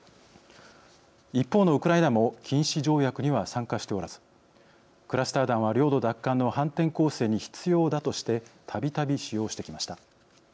一方のウクライナも禁止条約には参加しておらずクラスター弾は領土奪還の反転攻勢に必要だとしてたびたび使用してきました。